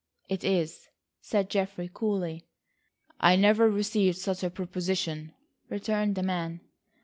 "It is," said Geoffrey coolly. "I never received such a proposition," returned the man.